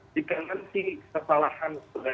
jika nanti kesalahan